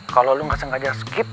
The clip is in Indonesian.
kalau lo gak sengaja skip